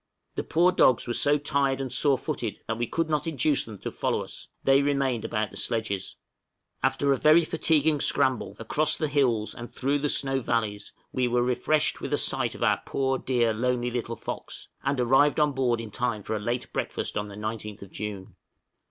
The poor dogs were so tired and sore footed, that we could not induce them to follow us; they remained about the sledges. After a very fatiguing scramble across the hills and through the snow valleys we were refreshed with a sight of our poor dear lonely little 'Fox,' and arrived on board in time for a late breakfast on the 19th June. {NAVIGABLE N.W. PASSAGE.